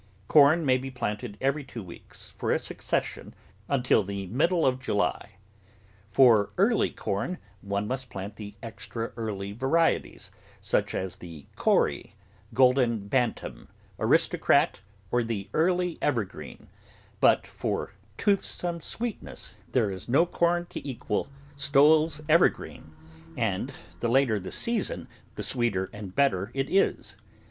Corn may be planted every two weeks, for a succession, until the middle of July. For early corn, one must plant the extra early varieties, such as the Cory, Golden Bantum, Aristocrat, or the Early Evergreen, but for toothsome sweetness there is no corn to equal Stowell's Evergreen, and the later the season the sweeter and better it is.